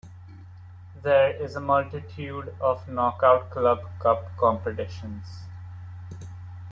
There is a multitude of knockout club cup competitions.